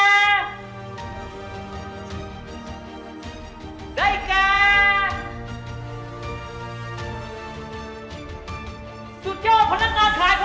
สุดยอดพนักงานขายของเราก็พี่ชัดชายครับ